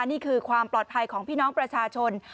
นี่คือความปลอดภัยของพี่น้องประชาชน